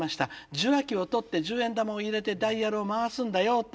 受話器を取って十円玉を入れてダイヤルを回すんだよと。